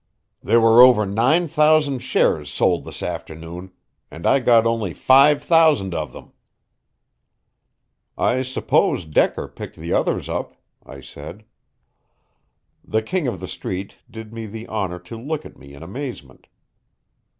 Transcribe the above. "There were over nine thousand shares sold this afternoon, and I got only five thousand of them." "I suppose Decker picked the others up," I said. The King of the Street did me the honor to look at me in amazement.